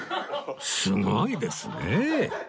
すごいですねえ